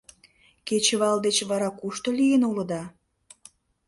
Кечывал деч вара кушто лийын улыда?